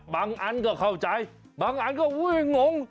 บางอันก็เข้าใจบางอันก็ว่าโอ๊ยงง